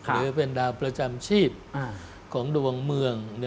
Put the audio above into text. หรือเป็นดาวประจำชีพของดวงเมือง